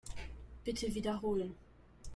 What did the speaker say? Bitte wiederholen.